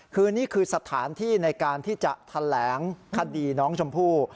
คือนี่คือสถานที่ในการที่จะแถลงคดีน้องชมพู่